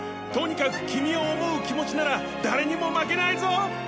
とにかくキミを思う気持ちなら誰にも負けないぞ！